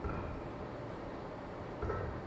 আমরা কি পুলিশের কাছে যাব?